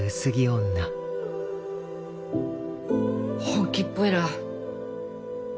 本気っぽいな。